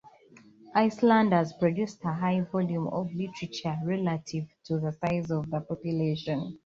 Icelanders produced a high volume of literature relative to the size of the population.